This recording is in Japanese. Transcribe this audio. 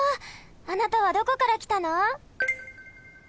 あなたはどこからきたの？